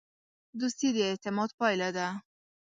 دوستي د اعتماد پایله ده.